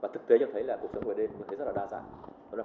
và thực tế tôi thấy là cuộc sống ở đây tôi thấy rất là đa dạng